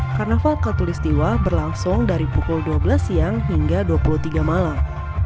karnaval katulistiwa berlangsung dari pukul dua belas siang hingga dua puluh tiga malam